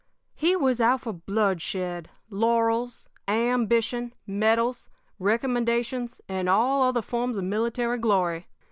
"He was out for bloodshed, laurels, ambition, medals, recommendations, and all other forms of military glory.